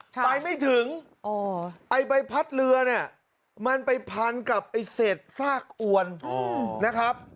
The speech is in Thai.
ไปไม่ถึงไอ้ใบพัดเรือเนี่ยมันไปพันกับไอ้เศษซากอวนนะครับ